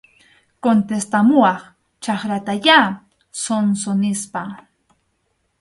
Contestamuwaq chakratayá, zonzo, nispa.